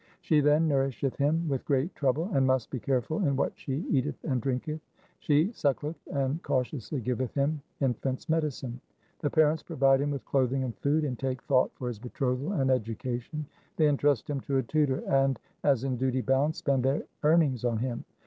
She then nourisheth him with great trouble, and must be careful in what she eateth and drinketh. She suckleth and cautiously giveth him infant's medicine. The parents provide him with clothing and food, and take thought for his betrothal and education. They entrust him to a tutor, and as in duty bound spend their earnings on him.